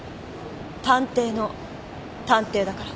探偵の探偵だから。